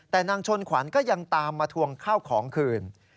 แต่นางชนขวัญก็ยังตามมาทวงข้าวของคืน